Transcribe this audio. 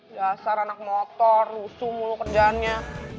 dasar anak motor lusuh mulu kerjaannya